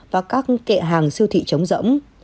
và các kệ hàng siêu thị chống rỗng